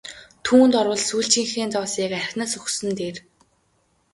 Түүнд орвол сүүлчийнхээ зоосыг архинаас өгсөн нь дээр!